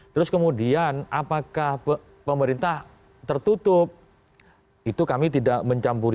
terus kemudian apakah merintah tertutup